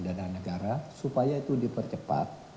dana negara supaya itu dipercepat